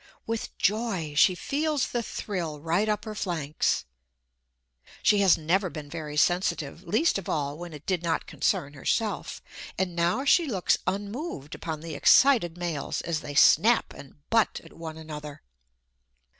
With joy she feels the thrill right up her flanks. She has never been very sensitive, least of all when it did not concern herself; and now she looks unmoved upon the excited males as they snap and butt at one another.